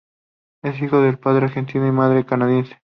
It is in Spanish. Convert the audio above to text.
Es hijo de padre argentino y madre canadiense.